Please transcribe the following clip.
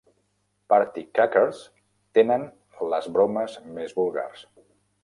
Party Crackers tenen les bromes més vulgars.